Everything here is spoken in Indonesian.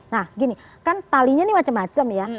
nah gini kan talinya ini macam macam ya